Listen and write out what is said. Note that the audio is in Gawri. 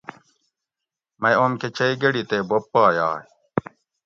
مئ اوم کٞہ چئ گٞڑی تے بوب پا یائ